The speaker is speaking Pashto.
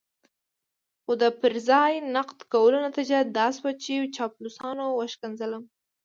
خو د پر ځای نقد کولو نتيجه دا شوه چې چاپلوسانو وشکنځلم.